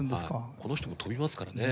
この人も飛びますからね。